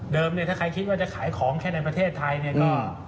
เนี่ยถ้าใครคิดว่าจะขายของแค่ในประเทศไทยเนี่ยก็